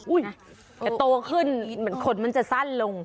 แต่โตขึ้นเหมือนขนมันจะสั้นลง